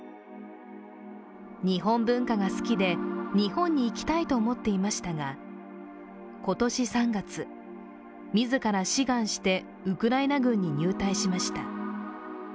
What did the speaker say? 日本文化が好きで、日本に行きたいと思っていましたが今年３月、自ら志願してウクライナ軍に入隊しました。